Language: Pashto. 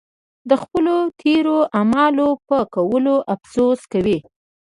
د خپلو تېرو اعمالو پر کولو افسوس کوي.